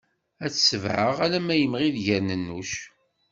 Ad t-tebɛeɣ alamma imɣi-d gerninuc.